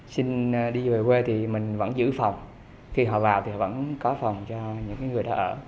xin đi về quê thì mình vẫn giữ phòng khi họ vào thì vẫn có phòng cho những người đã ở